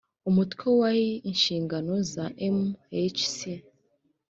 umutwe wa iii inshingano za mhc